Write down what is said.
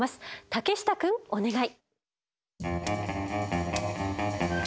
竹下くんお願い。